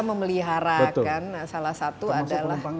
memelihara kan salah satu adalah